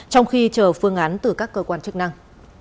trong khi chờ phương án từ các cơ quan chức năng